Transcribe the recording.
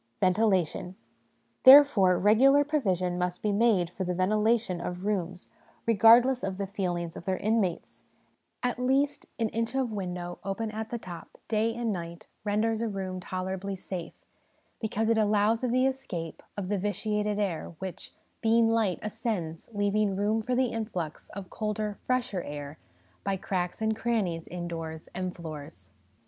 Ventilation. Therefore, regular provision must be made for the ventilation of rooms regardless of the 3 34 HOME EDUCATION feelings of their inmates : at least an inch of window open at the top, day and night, renders a room toler ably safe, because it allows of the escape of the vitiated air, which, being light, ascends, leaving room for the influx of colder, fresher air by cracks and crannies in doors and floors.